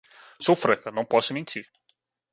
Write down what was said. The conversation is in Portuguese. Sou franca, não posso mentir!